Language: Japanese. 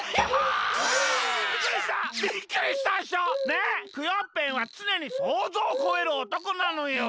ねっクヨッペンはつねにそうぞうをこえるおとこなのよ。